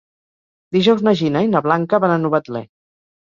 Dijous na Gina i na Blanca van a Novetlè.